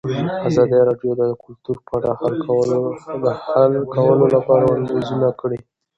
ازادي راډیو د کلتور په اړه د حل کولو لپاره وړاندیزونه کړي.